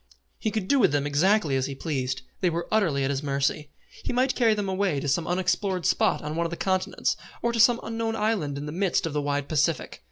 He could do with them exactly as he pleased. They were utterly at his mercy. He might carry them away to some unexplored spot on one of the continents, or to some unknown island in the midst of the wide Pacific.